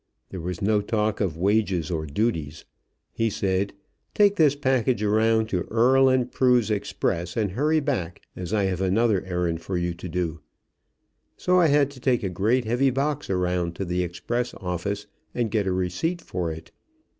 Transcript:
There was no talk of wages or duties. He said, "Take this package around to Earle & Prew's express and hurry back, as I have another errand for you to do." So I had to take a great, heavy box around to the express office and get a receipt for it.